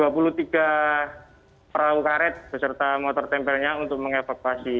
perahu karet beserta motor tempelnya untuk mengevakuasi